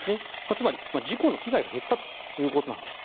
つまり、事故の被害が減ったということなんです。